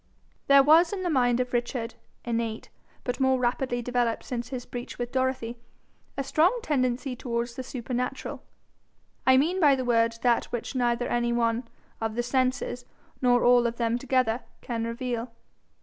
There was in the mind of Richard, innate, but more rapidly developed since his breach with Dorothy, a strong tendency towards the supernatural I mean by the word that which neither any one of the senses nor all of them together, can reveal.